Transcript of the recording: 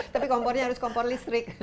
tapi kompornya harus kompor listrik